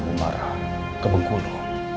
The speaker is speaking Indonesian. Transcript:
bumara ke bengkulu